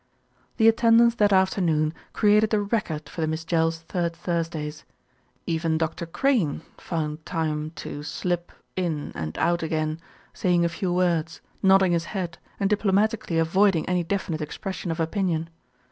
The attendance that afternoon created a record for the Miss Jells' Third Thursdays. Even Dr. Crane found time to "slip" in and out again, saying a few words, nodding his head and diplomatically avoiding any definite expression of opinion.